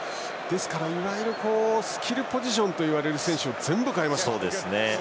いわゆるスキルポジションといわれる選手を全部、代えましたね。